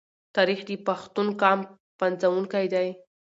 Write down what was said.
تاریخ د پښتون قام پنځونکی دی.